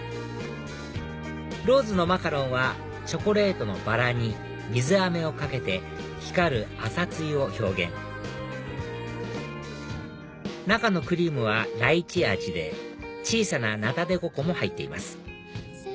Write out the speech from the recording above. ローズのマカロンはチョコレートのバラに水あめをかけて光る朝露を表現中のクリームはライチ味で小さなナタデココも入っています